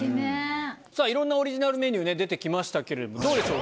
さぁいろんなオリジナルメニュー出て来ましたけれどもどうでしょう？